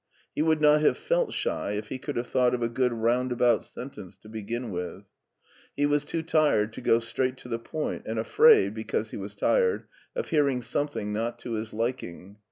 He would not have felt shy if he could have thought of a good roundabout sen tence to begin with. He was too tired to go straight to the point and afraid, because he was tired, of hear ing something not to his liking.